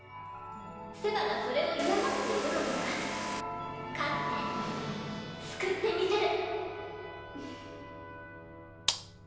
セヴァがそれを嫌がっているのなら勝って救ってみせる！